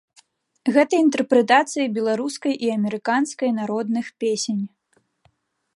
Гэта інтэрпрэтацыі беларускай і амерыканскай народных песень.